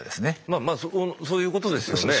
まあまあそういうことですよね。